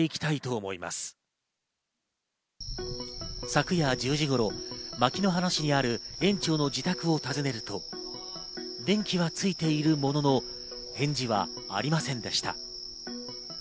昨夜１０時頃、牧之原市にある園長の自宅を訪ねると、電気はついているものの返事はありませんでした。